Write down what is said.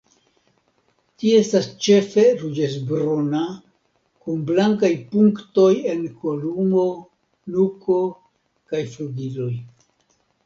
Ĝi estas ĉefe ruĝecbruna kun blankaj punktoj en kolumo, nuko kaj flugiloj.